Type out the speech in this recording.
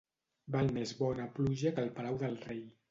Val més bona pluja que el palau del rei.